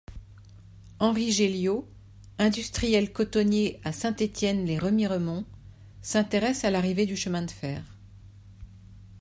Henri Géliot, industriel cotonnier à Saint-Étienne-lès-Remiremont s'intéresse à l'arrivée du chemin de fer.